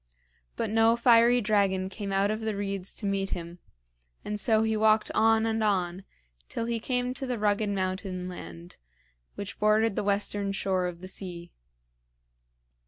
But no fiery dragon came out of the reeds to meet him; and so he walked on and on till he came to the rugged mountain land which bordered the western shore of the sea.